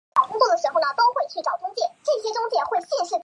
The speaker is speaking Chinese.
量子公设的第三条是对测量下的定义。